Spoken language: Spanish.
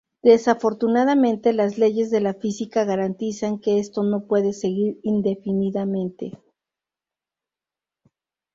Desafortunadamente, las leyes de la física garantizan que esto no puede seguir indefinidamente.